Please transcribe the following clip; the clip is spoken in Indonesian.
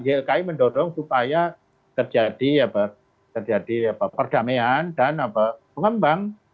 ylki mendorong supaya terjadi perdamaian dan pengembang